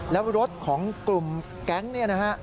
แล้วรถของกลุ่มแก๊งเนี่ยนะฮะ